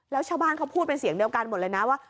แล้วชาวบ้านเขาพูดเป็นเสียงเดียวกันหมดเลยนะว่า